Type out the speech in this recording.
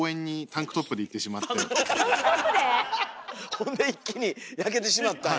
ほんで一気に焼けてしまったんや。